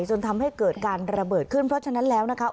จนทำให้เกิดการระเบิดขึ้นเพราะฉะนั้นแล้วนะคะ